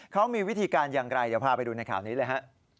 เขามีวิธีการอย่างไรเดี๋ยวพาไปดูในข่าวนี้เลยฮะ